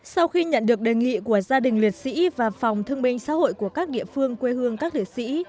sau khi nhận được đề nghị của gia đình liệt sĩ và phòng thương minh xã hội của các địa phương quê hương các liệt sĩ